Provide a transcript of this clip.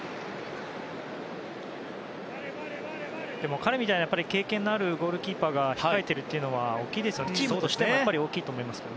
彼みたいに経験のあるゴールキーパーが控えているというのは、やっぱりチームとしても大きいと思います。